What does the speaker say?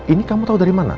ini kamu tau dari mana